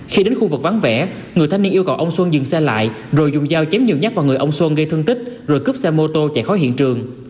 khi đến khu vực vắng vẻ người thanh niên yêu cầu ông xuân dừng xe lại rồi dùng dao chém nhiều nhát vào người ông xuân gây thương tích rồi cướp xe mô tô chạy khỏi hiện trường